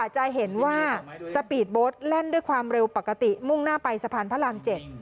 จะเห็นว่าสปีดโบสต์แล่นด้วยความเร็วปกติมุ่งหน้าไปสะพานพระราม๗